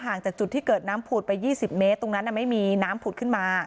ห่างจากจุดที่เกิดน้ำผุดไปยี่สิบเมตรตรงนั้นน่ะไม่มีน้ำผุดขึ้นมา